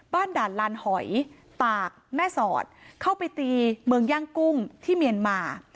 ด่านลานหอยตากแม่สอดเข้าไปตีเมืองย่างกุ้งที่เมียนมา